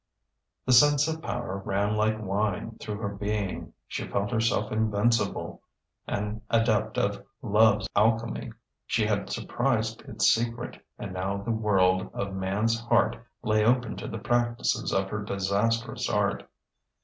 The sense of power ran like wine through her being: she felt herself invincible, an adept of love's alchemy; she had surprised its secret, and now the world of man's heart lay open to the practices of her disastrous art.